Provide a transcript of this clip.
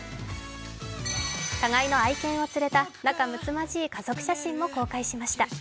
互いの愛犬を連れた仲睦まじい家族写真も公開しました。